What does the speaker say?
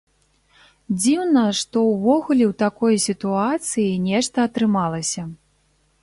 Дзіўна, што ўвогуле ў такой сітуацыі нешта атрымалася.